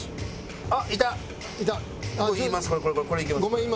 ごめん。